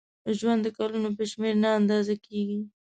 ژوند د کلونو په شمېر نه اندازه کېږي.